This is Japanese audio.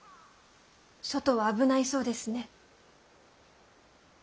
外は危ないそうですね。